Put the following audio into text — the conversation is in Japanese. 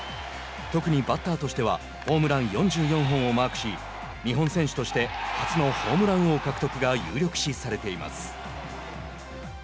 特にバッターとしてはホームラン４４本をマークし日本選手として初のホームラン王獲得が有力視されています。